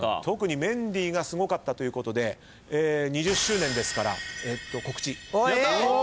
特にメンディーがすごかったということで２０周年ですから告知。